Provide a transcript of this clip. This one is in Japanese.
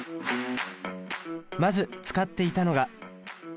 まず使っていたのが。